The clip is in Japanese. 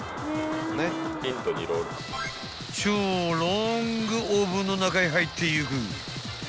［超ロングオーブンの中へ入っていく］